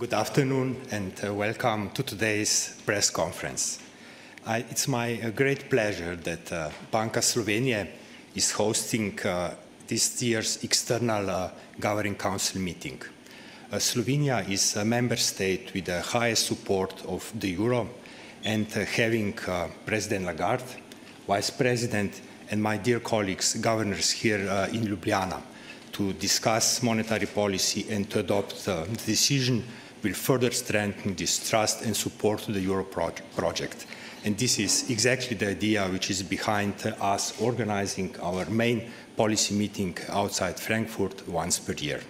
Good afternoon, and welcome to today's press conference. It's my great pleasure that Banka Slovenije is hosting this year's external Governing Council meeting. Slovenia is a member state with the highest support of the euro, and having President Lagarde, Vice President, and my dear colleagues, governors here in Ljubljana to discuss monetary policy and to adopt decision will further strengthen this trust and support to the euro project. This is exactly the idea which is behind us organizing our main policy meeting outside Frankfurt once per year.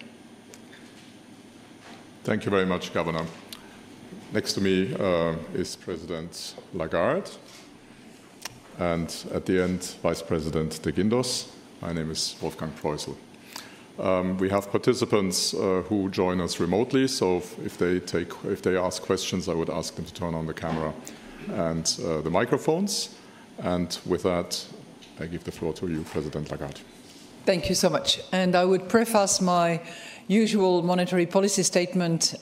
Thank you very much, Governor. Next to me is President Lagarde, and at the end, Vice President de Guindos. My name is Wolfgang Proissl. We have participants who join us remotely, so if they ask questions, I would ask them to turn on the camera and the microphones. And with that, I give the floor to you, President Lagarde. Thank you so much. I would preface my usual monetary policy statement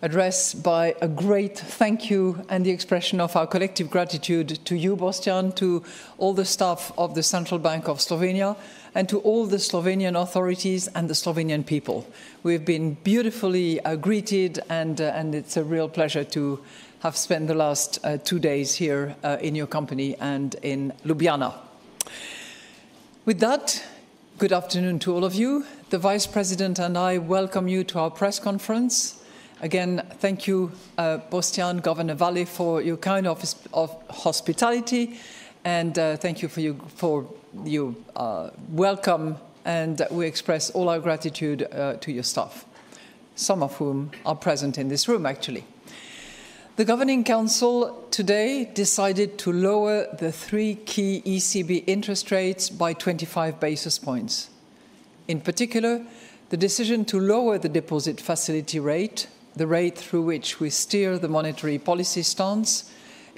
address by a great thank you and the expression of our collective gratitude to you, Boštjan, to all the staff of the Central Bank of Slovenia, and to all the Slovenian authorities and the Slovenian people. We've been beautifully greeted, and it's a real pleasure to have spent the last two days here in your company and in Ljubljana. With that, good afternoon to all of you. The Vice President and I welcome you to our press conference. Again, thank you, Boštjan, Governor Vasle, for your kind offer of hospitality, and thank you for your welcome, and we express all our gratitude to your staff, some of whom are present in this room, actually. The Governing Council today decided to lower the three key ECB interest rates by twenty-five basis points. In particular, the decision to lower the deposit facility rate, the rate through which we steer the monetary policy stance,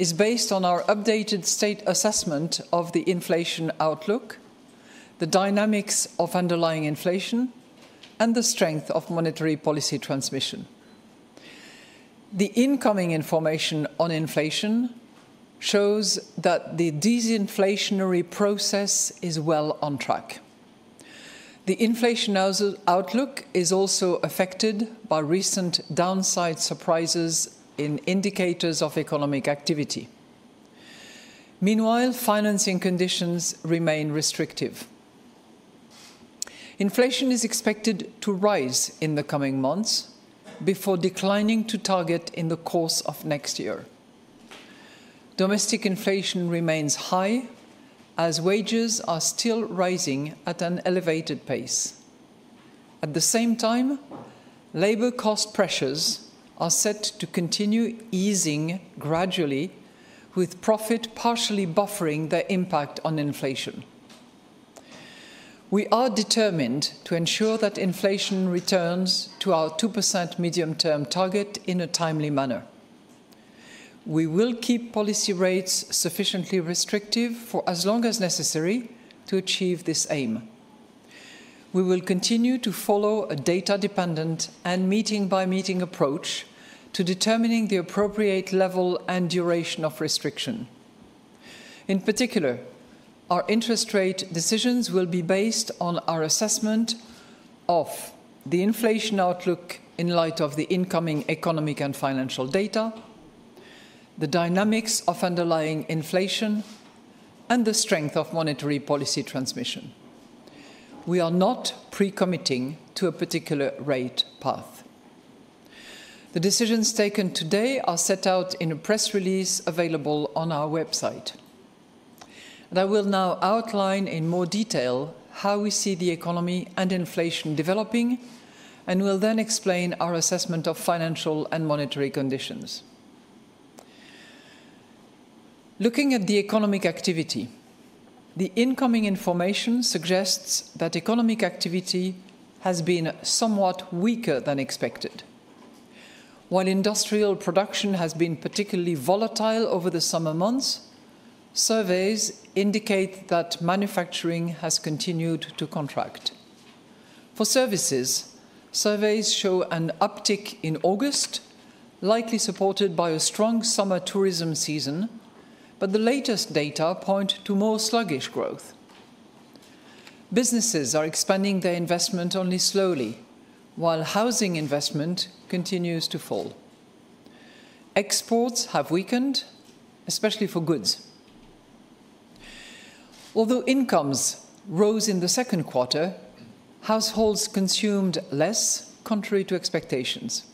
is based on our updated state assessment of the inflation outlook, the dynamics of underlying inflation, and the strength of monetary policy transmission. The incoming information on inflation shows that the disinflationary process is well on track. The inflation outlook is also affected by recent downside surprises in indicators of economic activity. Meanwhile, financing conditions remain restrictive. Inflation is expected to rise in the coming months before declining to target in the course of next year. Domestic inflation remains high, as wages are still rising at an elevated pace. At the same time, labor cost pressures are set to continue easing gradually, with profit partially buffering the impact on inflation. We are determined to ensure that inflation returns to our 2% medium-term target in a timely manner. We will keep policy rates sufficiently restrictive for as long as necessary to achieve this aim. We will continue to follow a data-dependent and meeting-by-meeting approach to determining the appropriate level and duration of restriction. In particular, our interest rate decisions will be based on our assessment of the inflation outlook in light of the incoming economic and financial data, the dynamics of underlying inflation, and the strength of monetary policy transmission. We are not pre-committing to a particular rate path. The decisions taken today are set out in a press release available on our website. I will now outline in more detail how we see the economy and inflation developing, and will then explain our assessment of financial and monetary conditions. Looking at the economic activity, the incoming information suggests that economic activity has been somewhat weaker than expected. While industrial production has been particularly volatile over the summer months, surveys indicate that manufacturing has continued to contract. For services, surveys show an uptick in August, likely supported by a strong summer tourism season, but the latest data point to more sluggish growth. Businesses are expanding their investment only slowly, while housing investment continues to fall. Exports have weakened, especially for goods. Although incomes rose in the second quarter, households consumed less, contrary to expectations.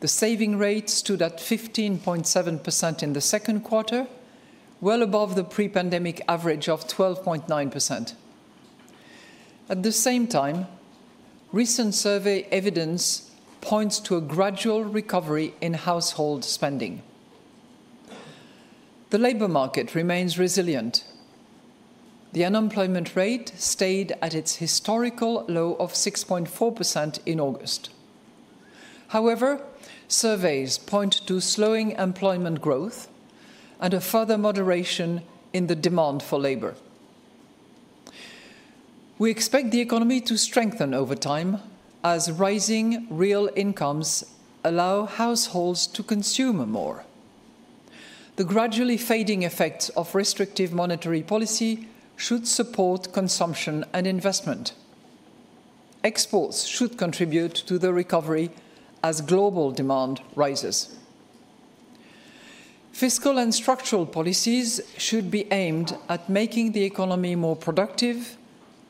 The saving rate stood at 15.7% in the second quarter, well above the pre-pandemic average of 12.9%. At the same time, recent survey evidence points to a gradual recovery in household spending. The labor market remains resilient. The unemployment rate stayed at its historical low of 6.4% in August. However, surveys point to slowing employment growth and a further moderation in the demand for labor. We expect the economy to strengthen over time as rising real incomes allow households to consume more. The gradually fading effects of restrictive monetary policy should support consumption and investment. Exports should contribute to the recovery as global demand rises. Fiscal and structural policies should be aimed at making the economy more productive,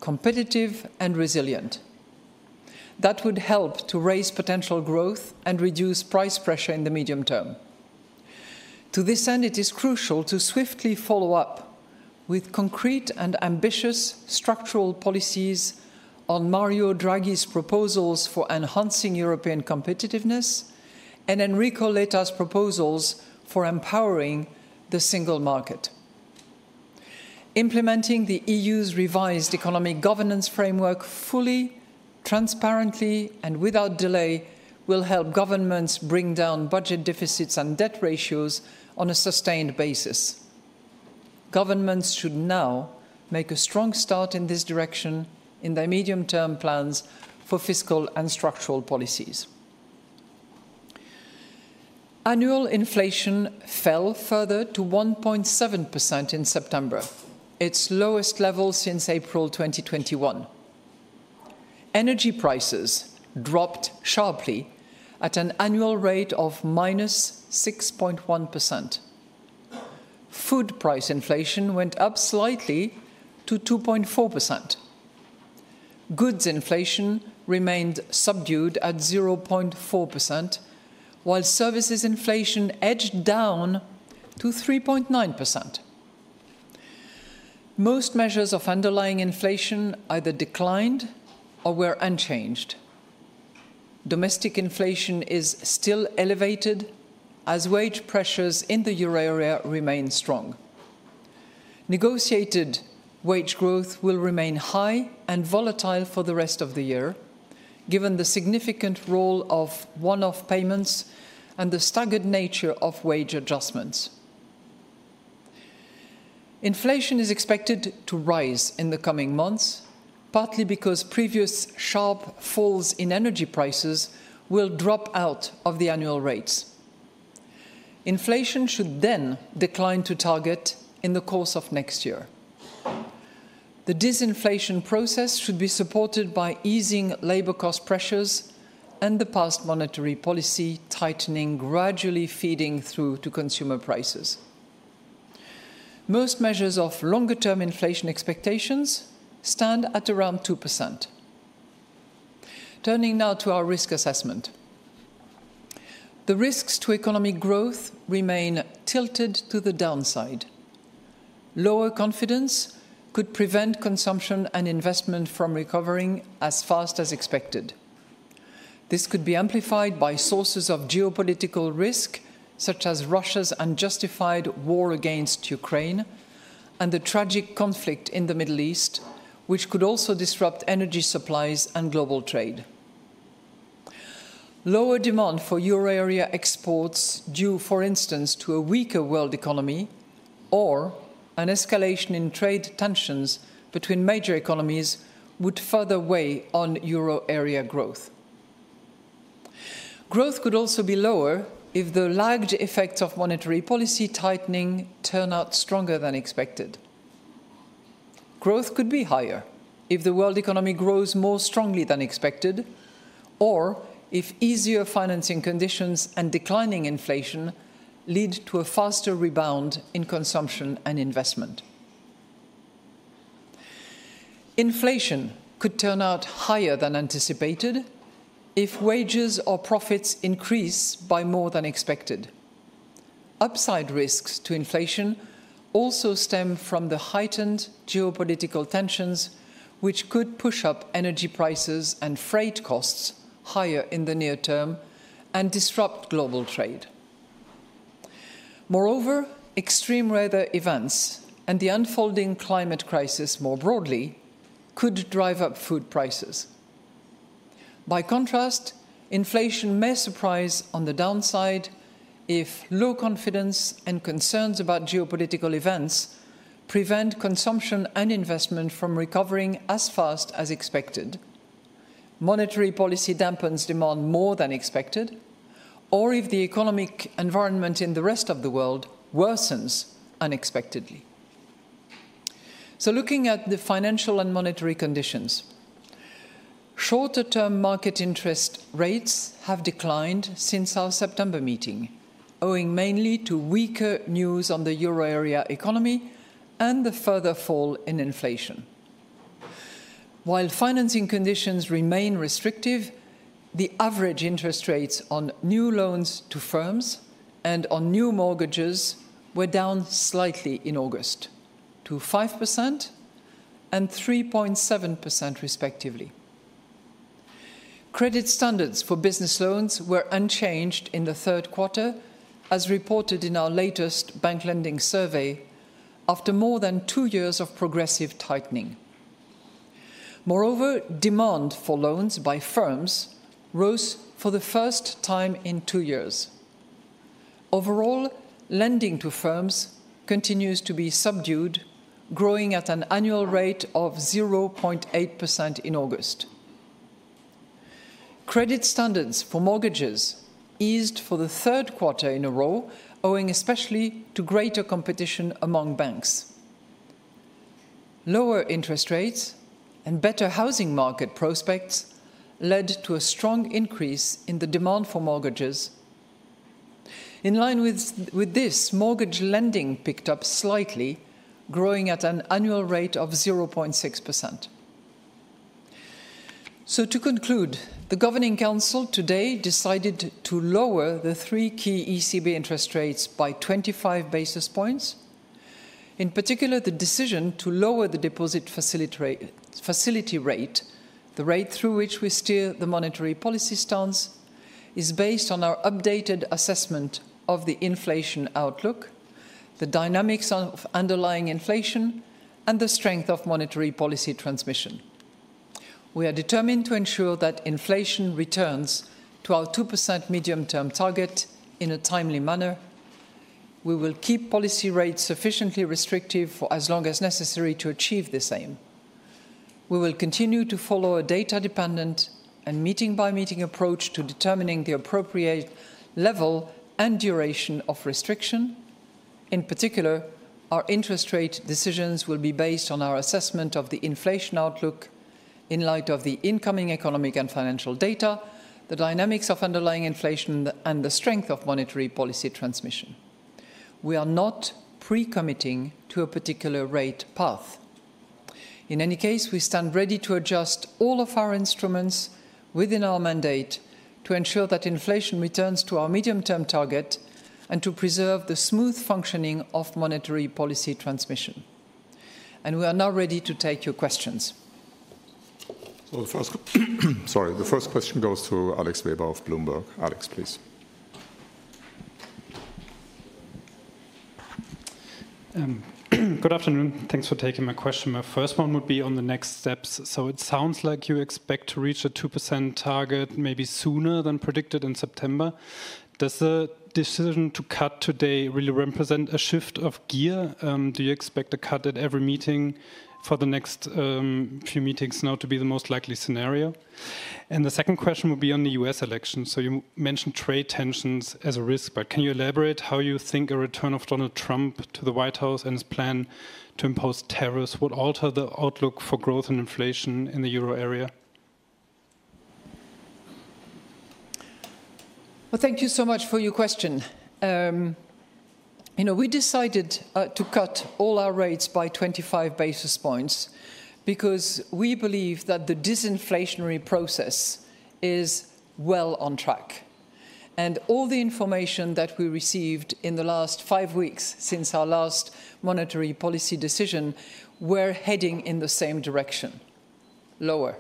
competitive, and resilient. That would help to raise potential growth and reduce price pressure in the medium term. To this end, it is crucial to swiftly follow up with concrete and ambitious structural policies on Mario Draghi's proposals for enhancing European competitiveness, and then recall later his proposals for empowering the Single Market. Implementing the EU's revised economic governance framework fully, transparently, and without delay, will help governments bring down budget deficits and debt ratios on a sustained basis. Governments should now make a strong start in this direction in their medium-term plans for fiscal and structural policies. Annual inflation fell further to 1.7% in September, its lowest level since April 2021. Energy prices dropped sharply at an annual rate of -6.1%. Food price inflation went up slightly to 2.4%. Goods inflation remained subdued at 0.4%, while services inflation edged down to 3.9%. Most measures of underlying inflation either declined or were unchanged. Domestic inflation is still elevated as wage pressures in the euro area remain strong. Negotiated wage growth will remain high and volatile for the rest of the year, given the significant role of one-off payments and the staggered nature of wage adjustments. Inflation is expected to rise in the coming months, partly because previous sharp falls in energy prices will drop out of the annual rates. Inflation should then decline to target in the course of next year. The disinflation process should be supported by easing labor cost pressures and the past monetary policy tightening gradually feeding through to consumer prices. Most measures of longer-term inflation expectations stand at around 2%. Turning now to our risk assessment. The risks to economic growth remain tilted to the downside. Lower confidence could prevent consumption and investment from recovering as fast as expected. This could be amplified by sources of geopolitical risk, such as Russia's unjustified war against Ukraine, and the tragic conflict in the Middle East, which could also disrupt energy supplies and global trade. Lower demand for euro area exports due, for instance, to a weaker world economy or an escalation in trade tensions between major economies, would further weigh on euro area growth. Growth could also be lower if the lagged effects of monetary policy tightening turn out stronger than expected. Growth could be higher if the world economy grows more strongly than expected, or if easier financing conditions and declining inflation lead to a faster rebound in consumption and investment. Inflation could turn out higher than anticipated if wages or profits increase by more than expected. Upside risks to inflation also stem from the heightened geopolitical tensions, which could push up energy prices and freight costs higher in the near term and disrupt global trade. Moreover, extreme weather events and the unfolding climate crisis more broadly could drive up food prices. By contrast, inflation may surprise on the downside if low confidence and concerns about geopolitical events prevent consumption and investment from recovering as fast as expected, monetary policy dampens demand more than expected, or if the economic environment in the rest of the world worsens unexpectedly. So looking at the financial and monetary conditions, shorter-term market interest rates have declined since our September meeting, owing mainly to weaker news on the euro area economy and the further fall in inflation. While financing conditions remain restrictive, the average interest rates on new loans to firms and on new mortgages were down slightly in August, to 5% and 3.7%, respectively. Credit standards for business loans were unchanged in the third quarter, as reported in our latest Bank Lending Survey, after more than two years of progressive tightening. Moreover, demand for loans by firms rose for the first time in two years.... overall, lending to firms continues to be subdued, growing at an annual rate of 0.8% in August. Credit standards for mortgages eased for the third quarter in a row, owing especially to greater competition among banks. Lower interest rates and better housing market prospects led to a strong increase in the demand for mortgages. In line with this, mortgage lending picked up slightly, growing at an annual rate of 0.6%. So to conclude, the Governing Council today decided to lower the three key ECB interest rates by twenty-five basis points. In particular, the decision to lower the deposit facility rate, the rate through which we steer the monetary policy stance, is based on our updated assessment of the inflation outlook, the dynamics of underlying inflation, and the strength of monetary policy transmission. We are determined to ensure that inflation returns to our 2% medium-term target in a timely manner. We will keep policy rates sufficiently restrictive for as long as necessary to achieve the same. We will continue to follow a data-dependent and meeting-by-meeting approach to determining the appropriate level and duration of restriction. In particular, our interest rate decisions will be based on our assessment of the inflation outlook in light of the incoming economic and financial data, the dynamics of underlying inflation, and the strength of monetary policy transmission. We are not pre-committing to a particular rate path. In any case, we stand ready to adjust all of our instruments within our mandate to ensure that inflation returns to our medium-term target and to preserve the smooth functioning of monetary policy transmission. And we are now ready to take your questions. The first question goes to Alex Weber of Bloomberg. Alex, please. Good afternoon. Thanks for taking my question. My first one would be on the next steps. So it sounds like you expect to reach a 2% target maybe sooner than predicted in September. Does the decision to cut today really represent a shift of gear? Do you expect a cut at every meeting for the next few meetings now to be the most likely scenario? And the second question would be on the U.S. election. So you mentioned trade tensions as a risk, but can you elaborate how you think a return of Donald Trump to the White House and his plan to impose tariffs would alter the outlook for growth and inflation in the euro area? Thank you so much for your question. You know, we decided to cut all our rates by 25 basis points because we believe that the disinflationary process is well on track. And all the information that we received in the last five weeks since our last monetary policy decision were heading in the same direction, lower.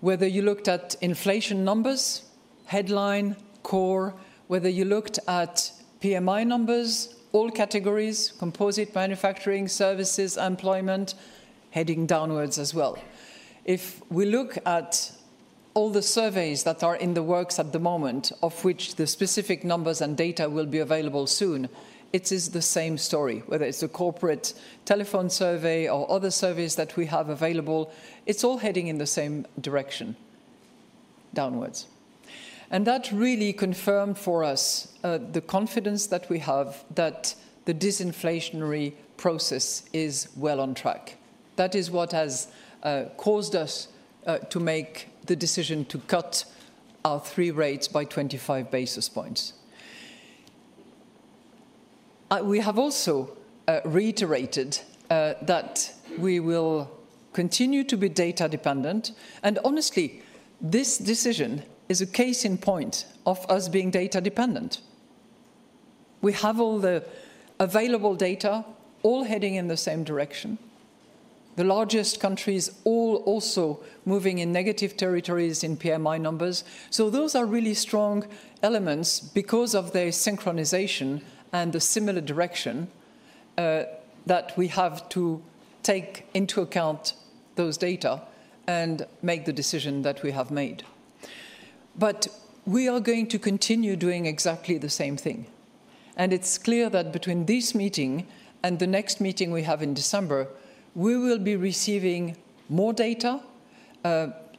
Whether you looked at inflation numbers, headline, core, whether you looked at PMI numbers, all categories, composite, manufacturing, services, employment, heading downwards as well. If we look at all the surveys that are in the works at the moment, of which the specific numbers and data will be available soon, it is the same story. Whether it's a corporate telephone survey or other surveys that we have available, it's all heading in the same direction, downwards. And that really confirmed for us the confidence that we have that the disinflationary process is well on track. That is what has caused us to make the decision to cut our three rates by 25 basis points. We have also reiterated that we will continue to be data-dependent, and honestly, this decision is a case in point of us being data-dependent. We have all the available data all heading in the same direction. The largest countries all also moving in negative territories in PMI numbers. So those are really strong elements because of their synchronization and the similar direction that we have to take into account those data and make the decision that we have made. But we are going to continue doing exactly the same thing, and it's clear that between this meeting and the next meeting we have in December, we will be receiving more data,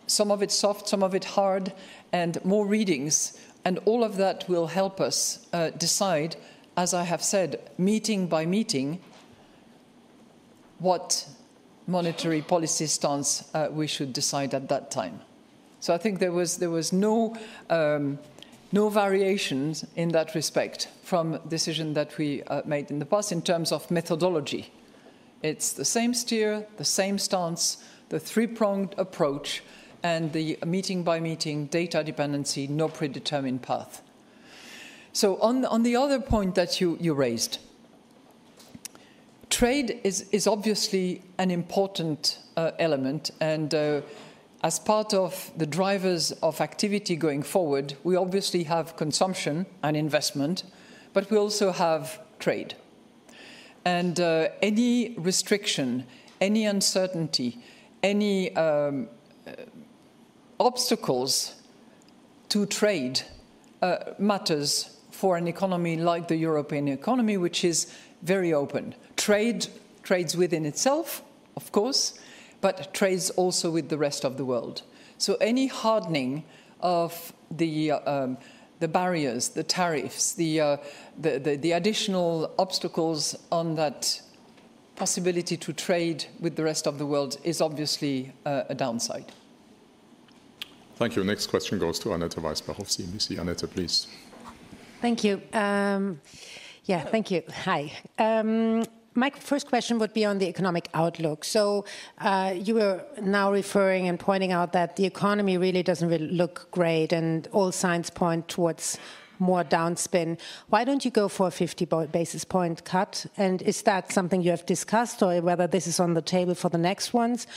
some of it soft, some of it hard, and more readings, and all of that will help us decide, as I have said, meeting by meeting, what monetary policy stance we should decide at that time. So I think there was no variations in that respect from decision that we made in the past in terms of methodology. It's the same steer, the same stance, the three-pronged approach, and the meeting-by-meeting data dependency, no predetermined path. So, on the other point that you raised, trade is obviously an important element, and as part of the drivers of activity going forward, we obviously have consumption and investment, but we also have trade. And any restriction, any uncertainty, any obstacles to trade matters for an economy like the European economy, which is very open. Trade trades within itself, of course, but trades also with the rest of the world. So any hardening of the barriers, the tariffs, the additional obstacles on that possibility to trade with the rest of the world is obviously a downside. Thank you. Next question goes to Annette Weisbach of CNBC. Annette, please. Thank you. Yeah, thank you. Hi. My first question would be on the economic outlook. You were now referring and pointing out that the economy really doesn't look great, and all signs point towards more downside. Why don't you go for a 50 basis point cut? And is that something you have discussed, or whether this is on the table for the next ones?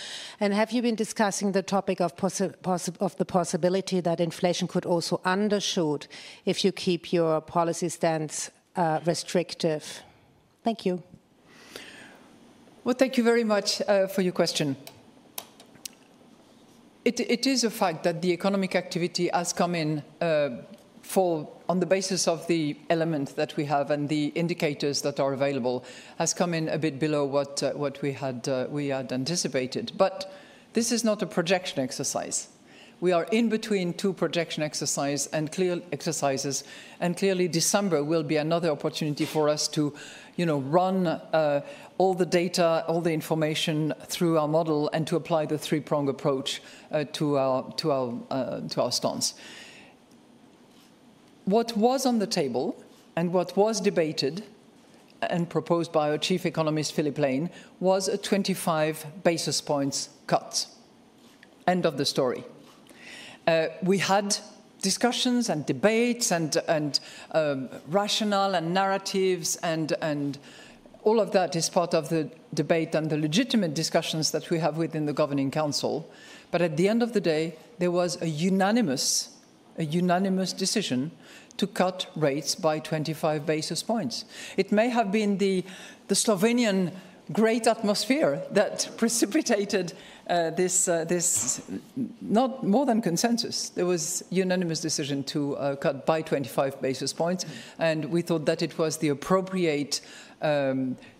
And have you been discussing the topic of the possibility that inflation could also undershoot if you keep your policy stance restrictive? Thank you. Thank you very much for your question. It is a fact that the economic activity has come in, on the basis of the elements that we have and the indicators that are available, has come in a bit below what we had anticipated. But this is not a projection exercise. We are in between two projection exercise and quarterly exercises, and clearly, December will be another opportunity for us to, you know, run all the data, all the information through our model and to apply the three-prong approach to our stance. What was on the table and what was debated and proposed by our Chief Economist, Philip Lane, was a twenty-five basis points cut. End of the story. We had discussions and debates and rational and narratives, and all of that is part of the debate and the legitimate discussions that we have within the Governing Council, but at the end of the day, there was a unanimous decision to cut rates by 25 basis points. It may have been the Slovenian great atmosphere that precipitated this more than consensus. There was unanimous decision to cut by 25 basis points, and we thought that it was the appropriate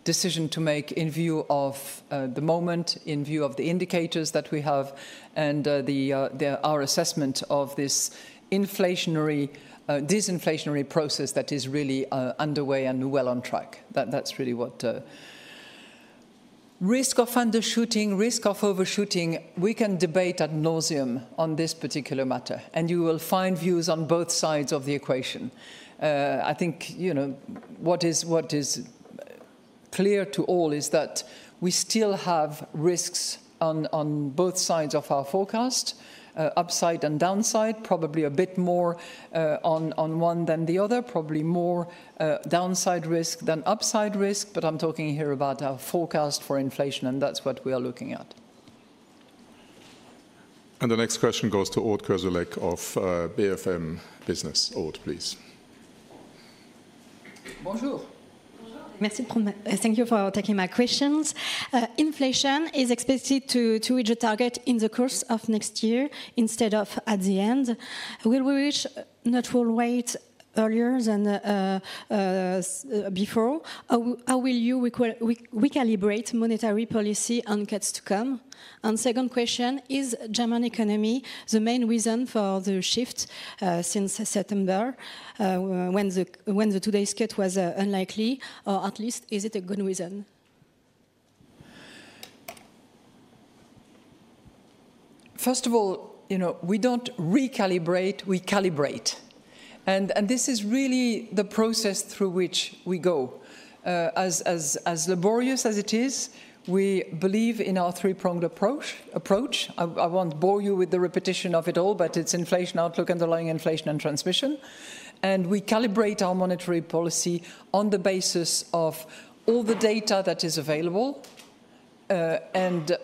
decision to make in view of the moment, in view of the indicators that we have and our assessment of this inflationary disinflationary process that is really underway and well on track. That, that's really what... Risk of undershooting, risk of overshooting, we can debate ad nauseam on this particular matter, and you will find views on both sides of the equation. I think, you know, what is clear to all is that we still have risks on both sides of our forecast, upside and downside. Probably a bit more on one than the other. Probably more downside risk than upside risk, but I'm talking here about our forecast for inflation, and that's what we are looking at. The next question goes to Aude Kersulec of BFM Business. Aude, please. Bonjour. Bonjour. Merci. Thank you for taking my questions. Inflation is expected to reach a target in the course of next year instead of at the end. Will we reach neutral rate earlier than before? How will you recalibrate monetary policy on cuts to come? And second question, is German economy the main reason for the shift since September, when the today's cut was unlikely? Or at least, is it a good reason? First of all, you know, we don't recalibrate, we calibrate. And this is really the process through which we go. As laborious as it is, we believe in our three-pronged approach. I won't bore you with the repetition of it all, but it's inflation outlook, underlying inflation, and transmission. And we calibrate our monetary policy on the basis of all the data that is available, and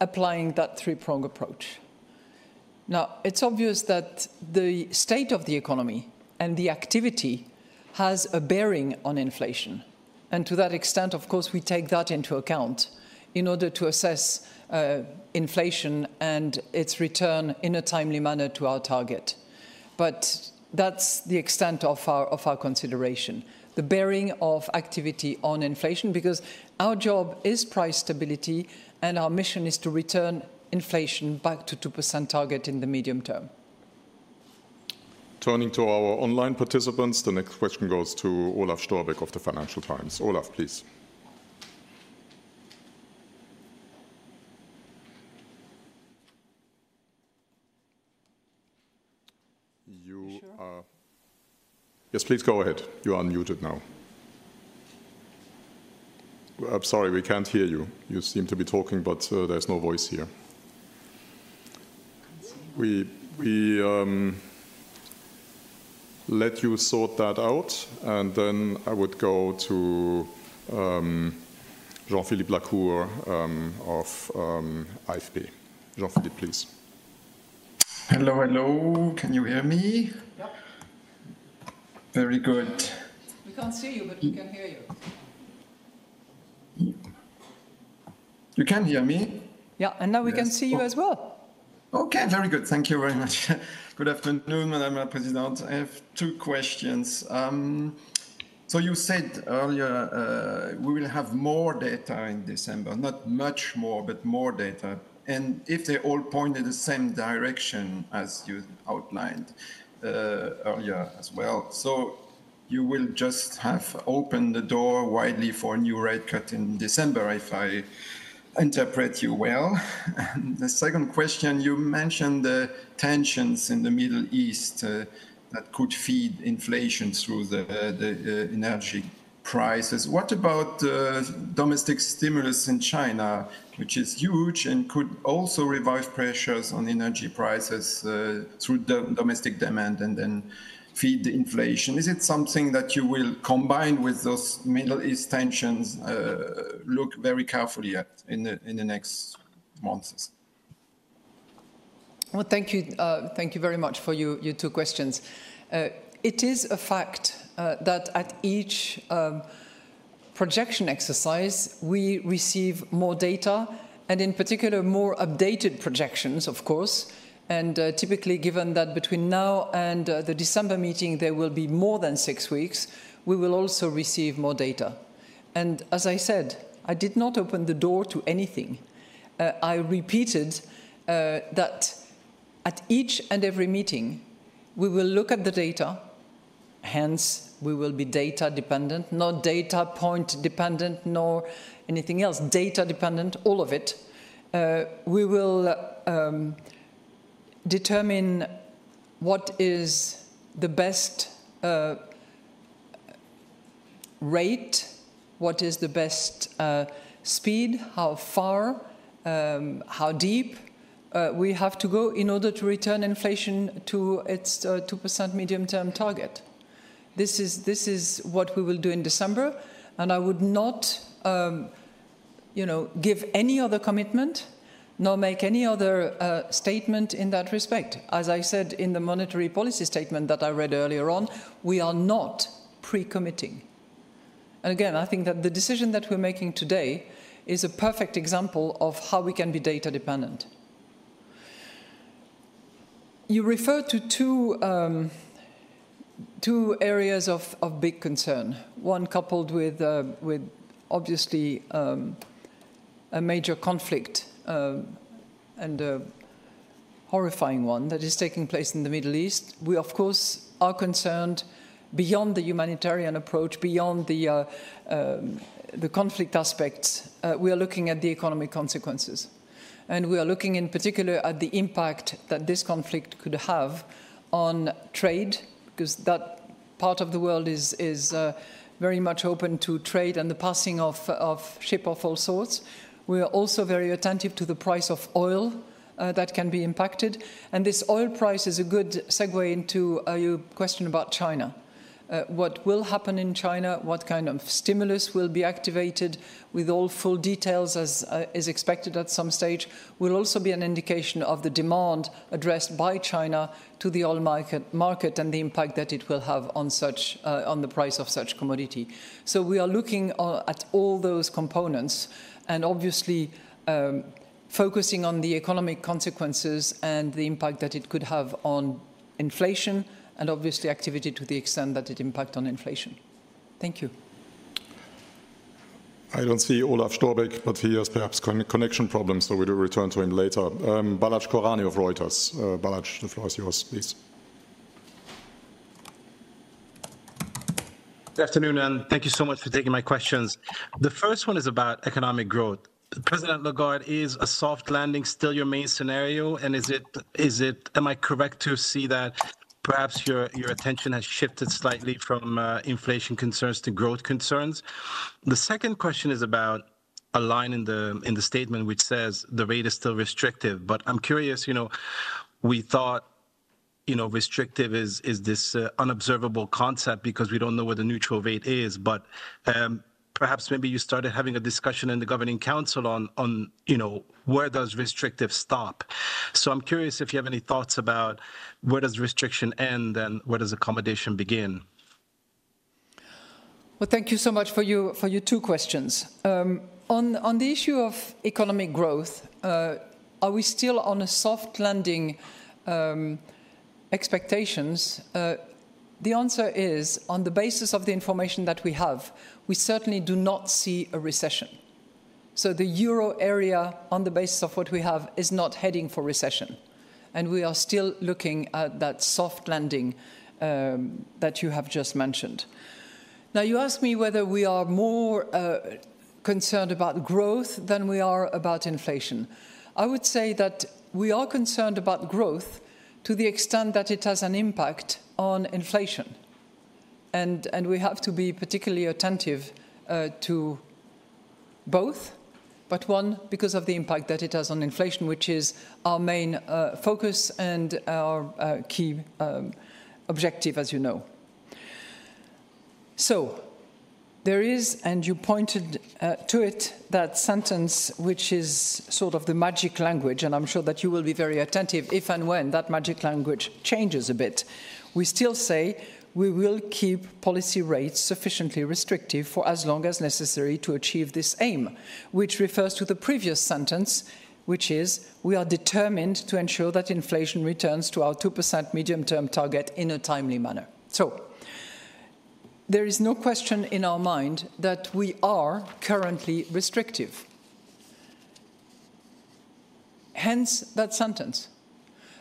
applying that three-prong approach. Now, it's obvious that the state of the economy and the activity has a bearing on inflation, and to that extent, of course, we take that into account in order to assess inflation and its return in a timely manner to our target. But that's the extent of our consideration, the bearing of activity on inflation, because our job is price stability, and our mission is to return inflation back to 2% target in the medium term. Turning to our online participants, the next question goes to Olaf Storbeck of the Financial Times. Olaf, please. You are- You sure? Yes, please go ahead. You are unmuted now. I'm sorry, we can't hear you. You seem to be talking, but there's no voice here. Can't see him. We let you sort that out, and then I would go to Jean-Philippe Lacour of Les Echos. Jean-Philippe, please. Hello, hello. Can you hear me? Yep. Very good. We can't see you, but we can hear you.... You can hear me? Yeah, and now we can see you as well. Okay, very good. Thank you very much. Good afternoon, Madam President. I have two questions. So you said earlier, we will have more data in December, not much more, but more data, and if they all point in the same direction as you outlined earlier as well. So you will just have opened the door widely for a new rate cut in December, if I interpret you well. And the second question, you mentioned the tensions in the Middle East that could feed inflation through the energy prices. What about domestic stimulus in China, which is huge and could also revise pressures on energy prices through domestic demand and then feed the inflation? Is it something that you will combine with those Middle East tensions, look very carefully at in the next months? Thank you, thank you very much for your two questions. It is a fact that at each projection exercise, we receive more data, and in particular, more updated projections, of course, and typically, given that between now and the December meeting there will be more than six weeks, we will also receive more data, and as I said, I did not open the door to anything. I repeated that at each and every meeting, we will look at the data, hence we will be data-dependent, not data point-dependent, nor anything else, data-dependent, all of it. We will determine what is the best rate, what is the best speed, how far, how deep we have to go in order to return inflation to its 2% medium-term target. This is what we will do in December, and I would not, you know, give any other commitment, nor make any other, statement in that respect. As I said in the monetary policy statement that I read earlier on, we are not pre-committing. And again, I think that the decision that we're making today is a perfect example of how we can be data-dependent. You referred to two areas of big concern, one coupled with obviously, a major conflict, and a horrifying one that is taking place in the Middle East. We, of course, are concerned beyond the humanitarian approach, beyond the conflict aspects. We are looking at the economic consequences, and we are looking in particular at the impact that this conflict could have on trade, 'cause that part of the world is very much open to trade and the passing of ship of all sorts. We are also very attentive to the price of oil that can be impacted, and this oil price is a good segue into your question about China. What will happen in China? What kind of stimulus will be activated with all full details, as is expected at some stage, will also be an indication of the demand addressed by China to the oil market, and the impact that it will have on such on the price of such commodity. So we are looking at all those components and obviously focusing on the economic consequences and the impact that it could have on inflation and obviously activity to the extent that it impacts on inflation. Thank you. I don't see Olaf Storbeck, but he has perhaps connection problems, so we will return to him later. Balazs Koranyi of Reuters. Balazs, the floor is yours, please. Good afternoon, and thank you so much for taking my questions. The first one is about economic growth. President Lagarde, is a soft landing still your main scenario, and is it... Am I correct to see that perhaps your attention has shifted slightly from inflation concerns to growth concerns? The second question is about a line in the statement which says, "The rate is still restrictive." But I'm curious, you know, we thought, you know, restrictive is this unobservable concept because we don't know what the neutral rate is. But perhaps, maybe you started having a discussion in the Governing Council on you know, where does restrictive stop? So I'm curious if you have any thoughts about where does restriction end, and where does accommodation begin? Thank you so much for your two questions. On the issue of economic growth, are we still on a soft landing expectations? The answer is, on the basis of the information that we have, we certainly do not see a recession. So the euro area, on the basis of what we have, is not heading for recession, and we are still looking at that soft landing that you have just mentioned. Now, you asked me whether we are more concerned about growth than we are about inflation. I would say that we are concerned about growth to the extent that it has an impact on inflation. We have to be particularly attentive to both, but one, because of the impact that it has on inflation, which is our main focus and our key objective, as you know. There is, and you pointed to it, that sentence, which is sort of the magic language, and I'm sure that you will be very attentive if and when that magic language changes a bit. We still say we will keep policy rates sufficiently restrictive for as long as necessary to achieve this aim, which refers to the previous sentence, which is, "We are determined to ensure that inflation returns to our 2% medium-term target in a timely manner." There is no question in our mind that we are currently restrictive, hence that sentence.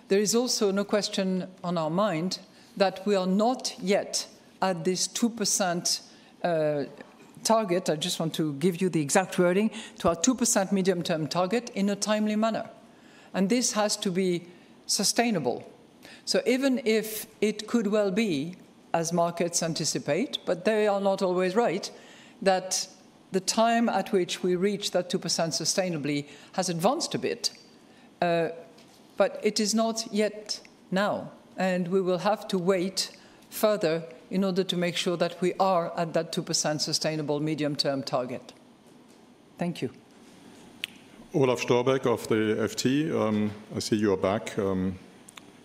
There is also no question on our mind that we are not yet at this 2% target. I just want to give you the exact wording to our 2% medium-term target in a timely manner, and this has to be sustainable. So even if it could well be, as markets anticipate, but they are not always right, that the time at which we reach that 2% sustainably has advanced a bit, but it is not yet now, and we will have to wait further in order to make sure that we are at that 2% sustainable medium-term target. Thank you. Olaf Storbeck of the FT, I see you are back,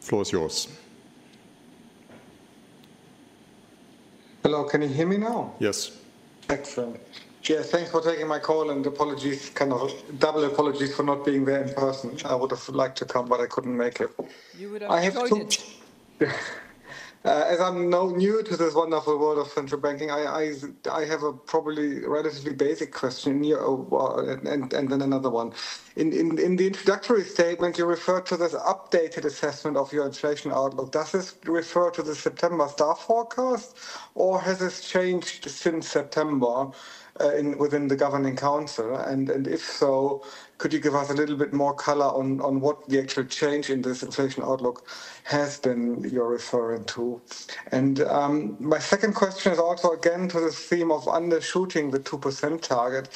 floor is yours. Hello, can you hear me now? Yes. Excellent. Yeah, thanks for taking my call, and apologies, kind of double apologies for not being there in person. I would have liked to come, but I couldn't make it. You would have enjoyed it. As I'm now new to this wonderful world of central banking, I have a probably relatively basic question, yeah, and then another one. In the introductory statement, you referred to this updated assessment of your inflation outlook. Does this refer to the September staff forecast, or has this changed since September, within the Governing Council? And if so, could you give us a little bit more color on what the actual change in this inflation outlook has been you're referring to? And my second question is also again to the theme of undershooting the 2% target.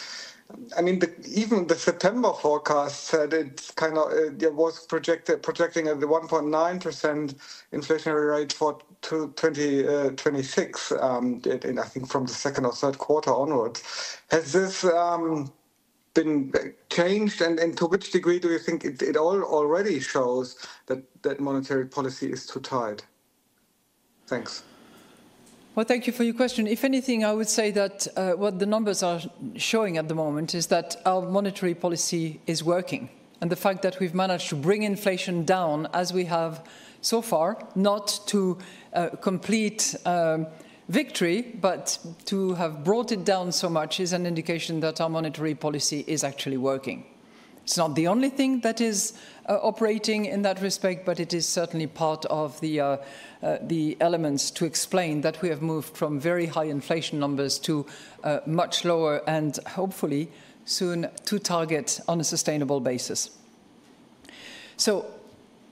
I mean, even the September forecast said it's kinda. It was projected, projecting at the 1.9% inflationary rate for 2026, and I think from the second or third quarter onwards. Has this been changed, and to which degree do you think it already shows that monetary policy is too tight? Thanks. Well, thank you for your question. If anything, I would say that what the numbers are showing at the moment is that our monetary policy is working, and the fact that we've managed to bring inflation down as we have so far, not to complete victory, but to have brought it down so much, is an indication that our monetary policy is actually working. It's not the only thing that is operating in that respect, but it is certainly part of the elements to explain that we have moved from very high inflation numbers to much lower and hopefully soon to target on a sustainable basis. So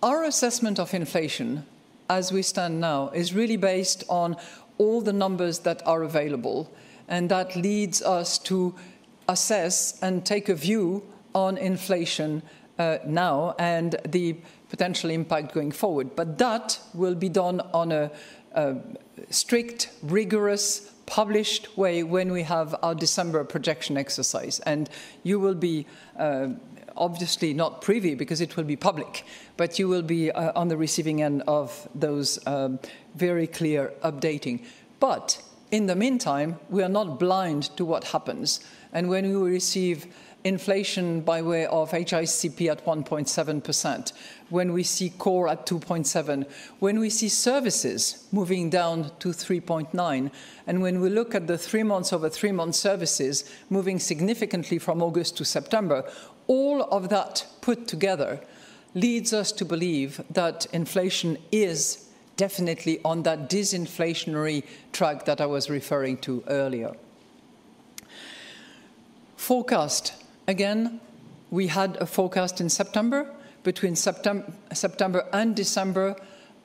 our assessment of inflation as we stand now is really based on all the numbers that are available, and that leads us to assess and take a view on inflation, now, and the potential impact going forward. But that will be done on a strict, rigorous, published way when we have our December projection exercise. And you will be, obviously not privy, because it will be public, but you will be, on the receiving end of those, very clear updating. But in the meantime, we are not blind to what happens, and when you receive inflation by way of HICP at 1.7%, when we see core at 2.7, when we see services moving down to 3.9, and when we look at the three months over three-month services moving significantly from August to September, all of that put together leads us to believe that inflation is definitely on that disinflationary track that I was referring to earlier. Forecast. Again, we had a forecast in September. Between September and December,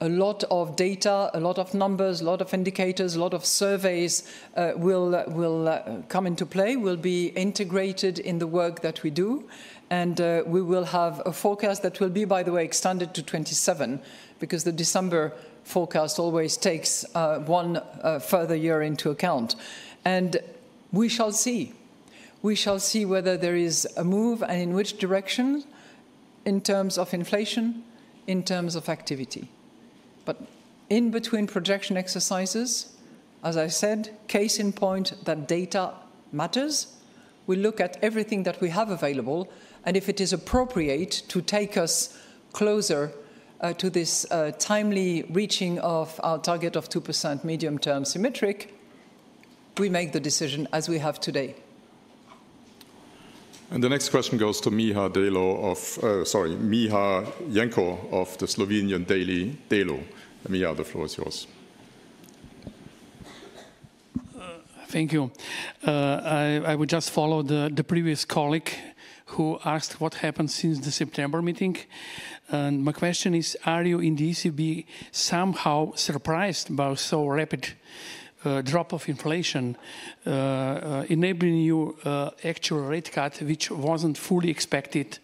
a lot of data, a lot of numbers, a lot of indicators, a lot of surveys, will come into play, will be integrated in the work that we do. We will have a forecast that will be, by the way, extended to 2027, because the December forecast always takes one further year into account. We shall see. We shall see whether there is a move and in which direction in terms of inflation, in terms of activity. In between projection exercises, as I said, case in point, that data matters. We look at everything that we have available, and if it is appropriate to take us closer to this timely reaching of our target of 2% medium-term symmetric, we make the decision as we have today. And the next question goes to Miha Delo of. Sorry, Miha Jenko of the Slovenian daily Delo. Miha, the floor is yours. Thank you. I will just follow the previous colleague who asked what happened since the September meeting. And my question is, are you in the ECB somehow surprised by so rapid drop of inflation enabling you actual rate cut, which wasn't fully expected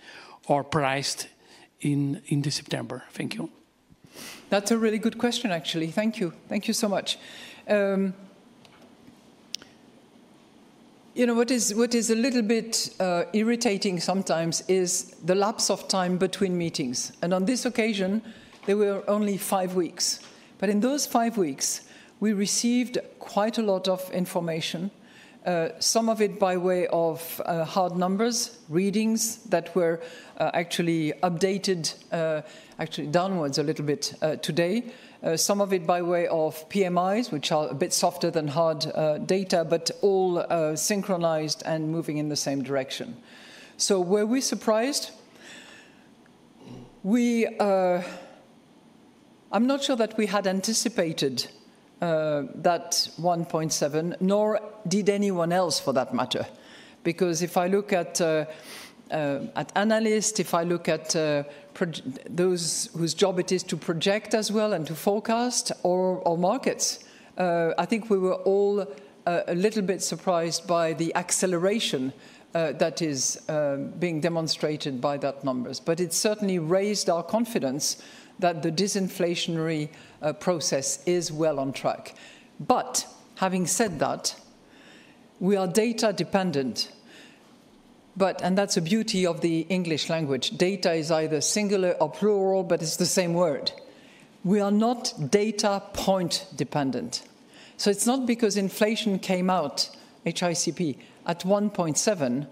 or priced in, in the September? Thank you.... That's a really good question, actually. Thank you. Thank you so much. You know, what is a little bit irritating sometimes is the lapse of time between meetings, and on this occasion, there were only five weeks. But in those five weeks, we received quite a lot of information, some of it by way of hard numbers, readings that were actually updated actually downwards a little bit today. Some of it by way of PMIs, which are a bit softer than hard data, but all synchronized and moving in the same direction. So were we surprised? We... I'm not sure that we had anticipated that one point seven, nor did anyone else, for that matter. Because if I look at analysts, if I look at projections, those whose job it is to project as well, and to forecast, or markets, I think we were all a little bit surprised by the acceleration that is being demonstrated by those numbers. But it certainly raised our confidence that the disinflationary process is well on track. Having said that, we are data-dependent, but. And that's the beauty of the English language. Data is either singular or plural, but it's the same word. We are not data point dependent. So it's not because inflation came out, HICP, at 1.7%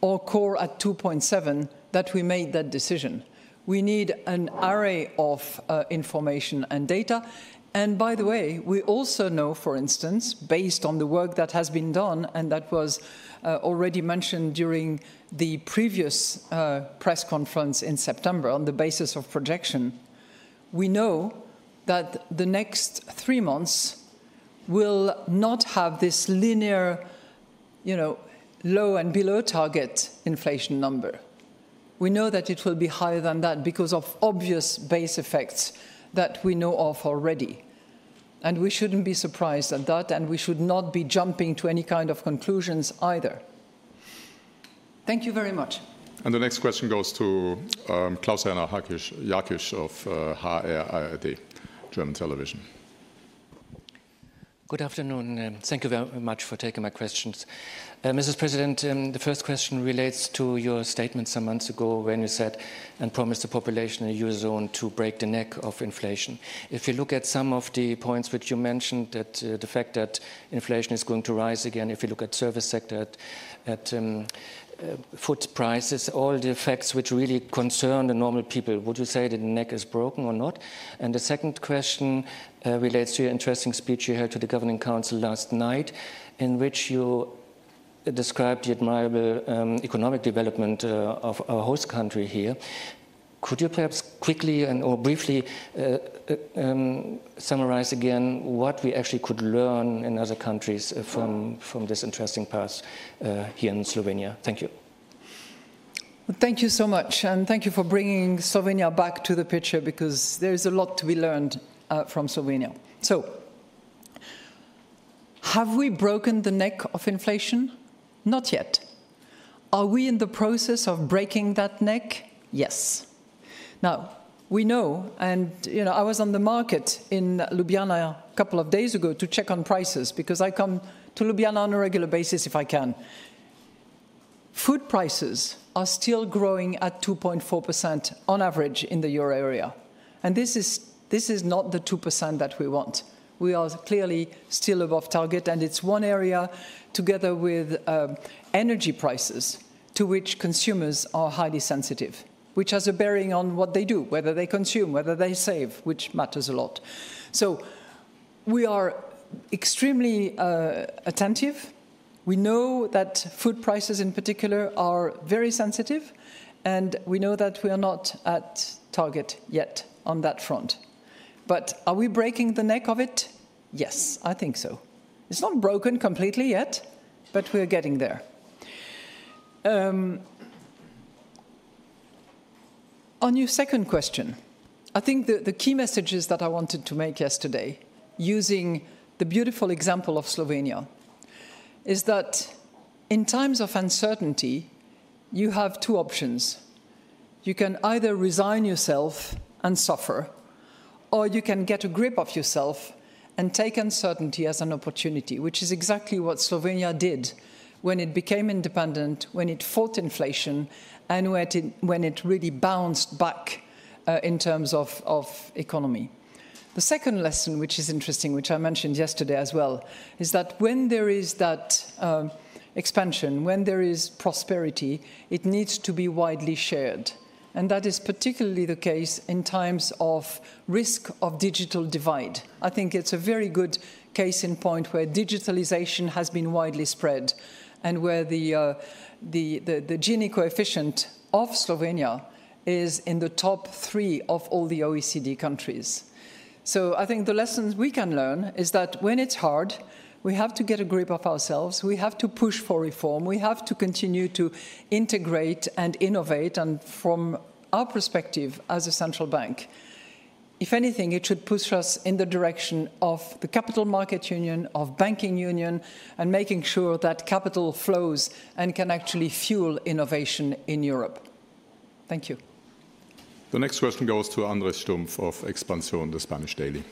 or core at 2.7%, that we made that decision. We need an array of information and data. And by the way, we also know, for instance, based on the work that has been done, and that was already mentioned during the previous press conference in September, on the basis of projection, we know that the next three months will not have this linear, you know, low and below target inflation number. We know that it will be higher than that because of obvious base effects that we know of already, and we shouldn't be surprised at that, and we should not be jumping to any kind of conclusions either. Thank you very much. And the next question goes to Klaus-Rainer Jackisch of ARD, German television. Good afternoon, and thank you very much for taking my questions. Mrs. President, the first question relates to your statement some months ago when you said and promised the population in the eurozone to break the neck of inflation. If you look at some of the points which you mentioned, that the fact that inflation is going to rise again, if you look at service sector, at food prices, all the effects which really concern the normal people, would you say the neck is broken or not? And the second question relates to your interesting speech you had to the Governing Council last night, in which you described the admirable economic development of our host country here. Could you perhaps quickly and or briefly summarize again what we actually could learn in other countries from this interesting path here in Slovenia? Thank you. Thank you so much, and thank you for bringing Slovenia back to the picture, because there is a lot to be learned from Slovenia. So, have we broken the neck of inflation? Not yet. Are we in the process of breaking that neck? Yes. Now, we know, and, you know, I was on the market in Ljubljana a couple of days ago to check on prices, because I come to Ljubljana on a regular basis, if I can. Food prices are still growing at 2.4% on average in the euro area, and this is, this is not the 2% that we want. We are clearly still above target, and it's one area, together with energy prices, to which consumers are highly sensitive, which has a bearing on what they do, whether they consume, whether they save, which matters a lot. So we are extremely attentive. We know that food prices in particular are very sensitive, and we know that we are not at target yet on that front. But are we breaking the neck of it? Yes, I think so. It's not broken completely yet, but we're getting there. On your second question, I think the key messages that I wanted to make yesterday, using the beautiful example of Slovenia, is that in times of uncertainty, you have two options: You can either resign yourself and suffer, or you can get a grip of yourself and take uncertainty as an opportunity, which is exactly what Slovenia did when it became independent, when it fought inflation, and when it really bounced back in terms of economy. The second lesson, which is interesting, which I mentioned yesterday as well, is that when there is that expansion, when there is prosperity, it needs to be widely shared, and that is particularly the case in times of risk of digital divide. I think it's a very good case in point where digitalization has been widely spread and where the Gini coefficient of Slovenia is in the top three of all the OECD countries. So I think the lessons we can learn is that when it's hard, we have to get a grip of ourselves. We have to push for reform. We have to continue to integrate and innovate, and from our perspective as a central bank, if anything, it should push us in the direction of the Capital Markets Union, of Banking Union, and making sure that capital flows and can actually fuel innovation in Europe. Thank you. The next question goes to Andrés Stumpf of Expansión, the Spanish daily....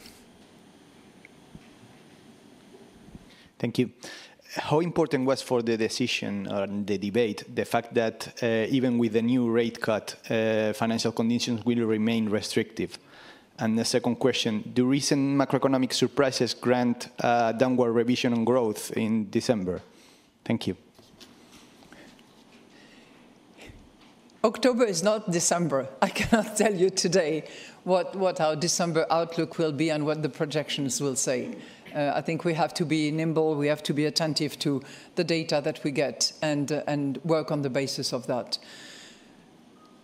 Thank you. How important was for the decision or the debate, the fact that, even with the new rate cut, financial conditions will remain restrictive? And the second question: Do recent macroeconomic surprises grant a downward revision on growth in December? Thank you. October is not December. I cannot tell you today what our December outlook will be and what the projections will say. I think we have to be nimble, we have to be attentive to the data that we get, and work on the basis of that.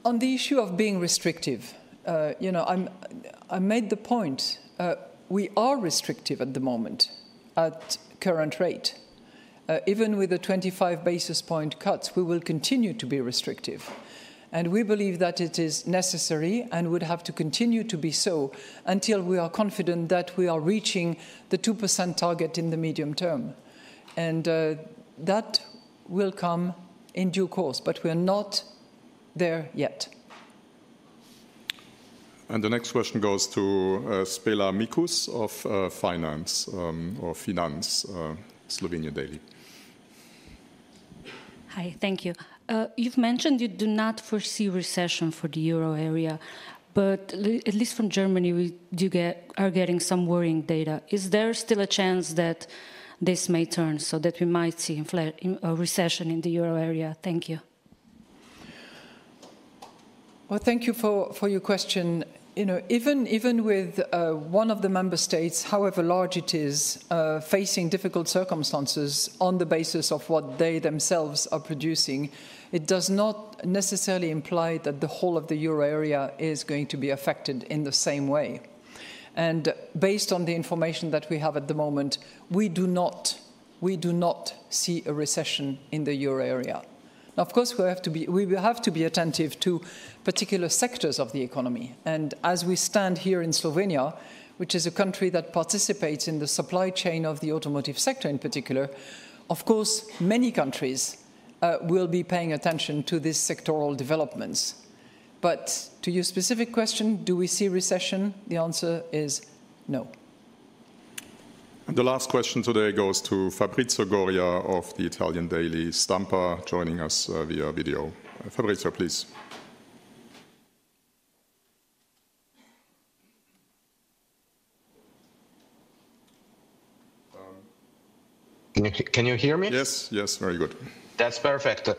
On the issue of being restrictive, you know, I made the point, we are restrictive at the moment at current rate. Even with the 25 basis points cuts, we will continue to be restrictive, and we believe that it is necessary and would have to continue to be so until we are confident that we are reaching the 2% target in the medium term. That will come in due course, but we're not there yet. The next question goes to Špela Mikuš of Finance. Hi, thank you. You've mentioned you do not foresee recession for the euro area, but at least from Germany, we are getting some worrying data. Is there still a chance that this may turn, so that we might see a recession in the euro area? Thank you. Thank you for your question. You know, even with one of the member states, however large it is, facing difficult circumstances on the basis of what they themselves are producing, it does not necessarily imply that the whole of the euro area is going to be affected in the same way. Based on the information that we have at the moment, we do not, we do not see a recession in the euro area. Now, of course, we have to be, we have to be attentive to particular sectors of the economy. As we stand here in Slovenia, which is a country that participates in the supply chain of the automotive sector in particular, of course, many countries will be paying attention to these sectoral developments. To your specific question, do we see recession? The answer is no. The last question today goes to Fabrizio Goria of the Italian daily, Stampa, joining us, via video. Fabrizio, please. Can you hear me? Yes. Yes, very good. That's perfect.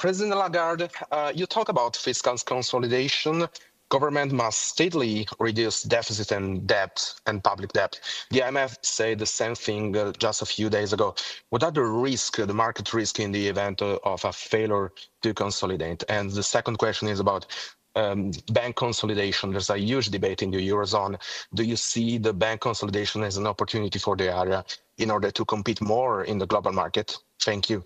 President Lagarde, you talk about fiscal consolidation. Government must steadily reduce deficit and debt, and public debt. The IMF said the same thing, just a few days ago. What are the risk, the market risk, in the event of a failure to consolidate? And the second question is about bank consolidation. There's a huge debate in the eurozone. Do you see the bank consolidation as an opportunity for the area in order to compete more in the global market? Thank you.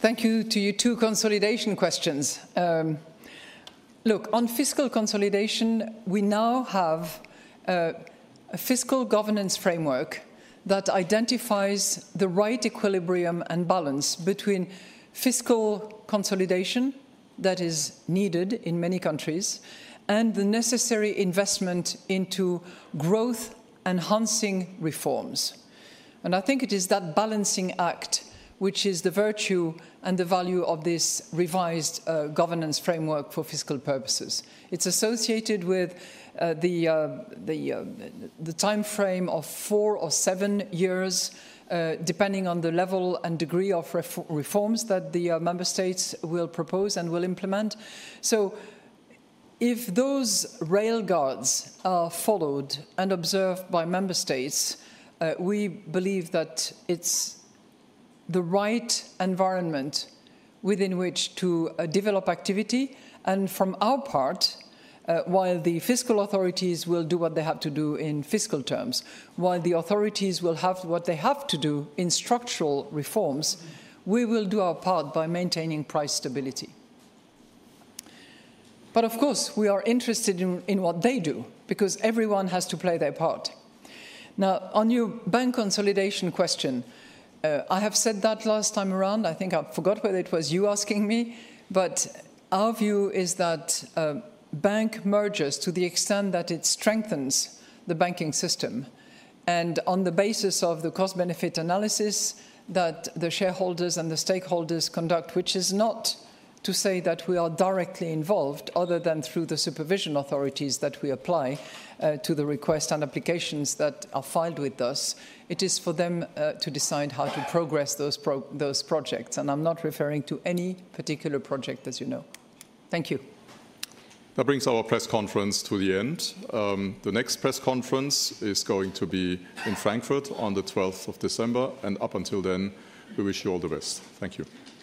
Thank you for your two consolidation questions. Look, on fiscal consolidation, we now have a fiscal governance framework that identifies the right equilibrium and balance between fiscal consolidation that is needed in many countries, and the necessary investment into growth-enhancing reforms, and I think it is that balancing act, which is the virtue and the value of this revised governance framework for fiscal purposes. It's associated with the timeframe of four or seven years, depending on the level and degree of reforms that the member states will propose and will implement, so if those safeguards are followed and observed by member states, we believe that it's the right environment within which to develop activity. And from our part, while the fiscal authorities will do what they have to do in fiscal terms, while the authorities will have what they have to do in structural reforms, we will do our part by maintaining price stability. But of course, we are interested in what they do, because everyone has to play their part. Now, on your bank consolidation question, I have said that last time around. I think I forgot whether it was you asking me, but our view is that bank mergers, to the extent that it strengthens the banking system, and on the basis of the cost-benefit analysis that the shareholders and the stakeholders conduct, which is not to say that we are directly involved, other than through the supervision authorities that we apply to the requests and applications that are filed with us, it is for them to decide how to progress those projects, and I'm not referring to any particular project, as you know. Thank you. That brings our press conference to the end. The next press conference is going to be in Frankfurt on the 12th of December, and up until then, we wish you all the best. Thank you.